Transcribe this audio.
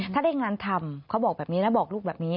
ถ้าได้งานทำเขาบอกแบบนี้นะบอกลูกแบบนี้